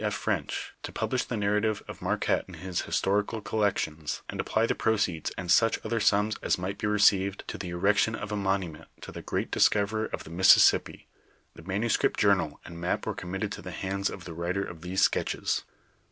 F. Froncli to jtiiMisli tlio narrative of Marquette in liia Historical Collections, and apply the pro ceeds, and such utiier sums as might be received, to the erec tion of a monument to the great discoverer of the Mississippi, the manuscript journal and map were committed to the hands of the writer of these sketches.